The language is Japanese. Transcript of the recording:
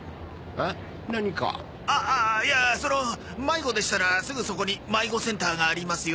ああいやその迷子でしたらすぐそこに迷子センターがありますよ。